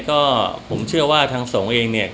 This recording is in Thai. ก็ผมเชื่อว่าทางสงฆ์เองเนี่ย